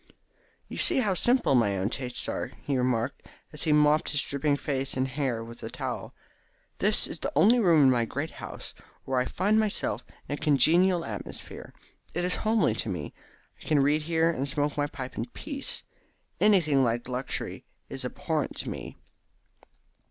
"You see how simple my own tastes are," he remarked, as he mopped his dripping face and hair with the towel. "This is the only room in my great house where I find myself in a congenial atmosphere. It is homely to me. I can read here and smoke my pipe in peace. Anything like luxury is abhorrent to me."